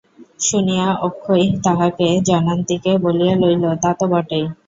শুনিয়া অক্ষয় তাহাকে জনান্তিকে বলিয়া লইল, তা তো বটেই!